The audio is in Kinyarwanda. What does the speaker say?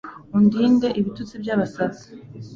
undinde ibitutsi by'abasazi